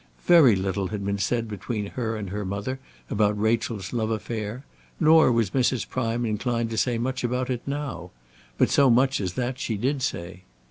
Very little had been said between her and her mother about Rachel's love affair, nor was Mrs. Prime inclined to say much about it now; but so much as that she did say.